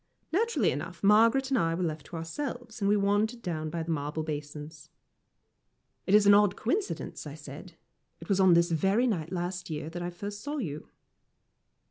Naturally enough, Margaret and I were left to ourselves, and we wandered down by the marble basins. "It is an odd coincidence," I said; "it was on this very night last year that I first saw you."